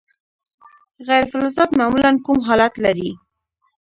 غیر فلزات معمولا کوم حالت لري.